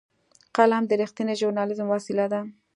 قلم د رښتینې ژورنالېزم وسیله ده